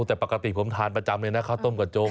แต่ปกติผมทานประจำเลยนะข้าวต้มกระจง